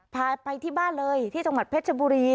พาไปที่บ้านเลยที่จังหวัดเพชรบุรี